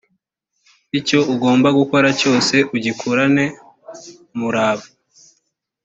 icyo ugomba gukora cyose ugikorane umurava